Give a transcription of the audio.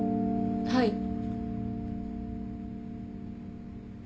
はい。